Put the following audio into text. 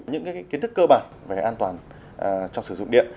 những kiến thức cơ bản về an toàn trong sử dụng điện